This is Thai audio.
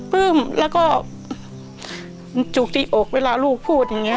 ปลื้มแล้วก็จุกที่อกเวลาลูกพูดอย่างนี้